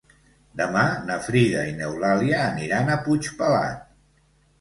Demà na Frida i n'Eulàlia aniran a Puigpelat.